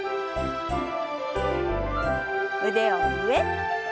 腕を上。